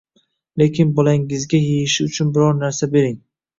keyin bolangizga yeyishi uchun biron narsa bering.